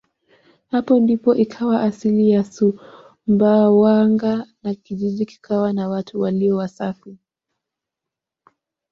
Hapo ndipo ikawa asili ya Sumbawanga na kijiji kikawa na watu walio wasafi